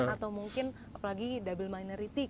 atau mungkin apalagi double minority